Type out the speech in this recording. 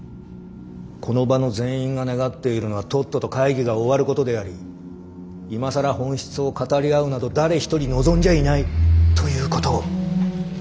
この場の全員が願っているのはとっとと会議が終わることであり今更本質を語り合うなど誰一人望んじゃいないということを。